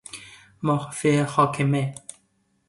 محفل حاکمه